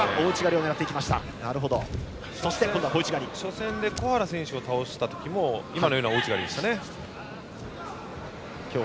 初戦で小原選手を倒した時も原沢選手は今のような大内刈りでしたね。